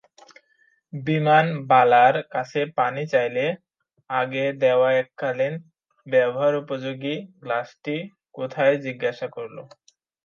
বিমানবালার কাছে পানি চাইলে আগে দেওয়া এককালীন ব্যবহারোপযোগী গ্লাসটি কোথায় জিজ্ঞাসা করল।